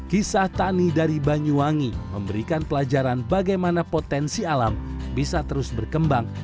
kisah tani dari banyuwangi memberikan pelajaran bagaimana potensi alam bisa terus berkembang